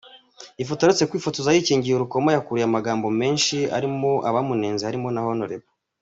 Ifoto aheruka kwifotoza yikinze urukoma yakuruye amagambo menshi arimo abamunenze barimo na Hon.